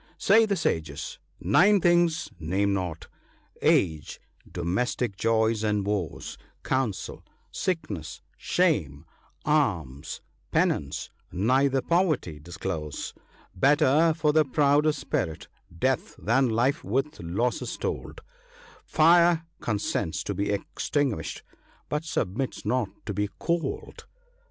—" Say the sages, nine things name not : Age, domestic joys and woes, Counsel, sickness, shame, alms, penance ; neither poverty disclose. Better for the proud of spirit, death, than life with losses told ; Fire consents to be extinguished, but submits not to be cold."